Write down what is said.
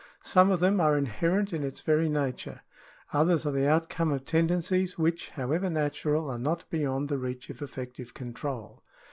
Some of them are inherent in its very nature, others are the outcome of tendencies which, however natural, are not beyond the reach of effective control.